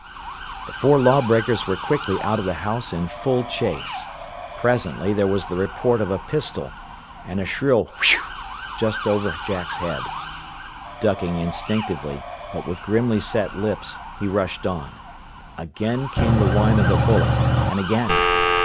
The four lawbreakers were quickly out of the house in full chase. Presently there was the report of a pistol, and a shrill "wheeeu" just over Jack's head. Ducking instinctively, but with grimly set lips, he rushed on. Again came the whine of a bullet, and again.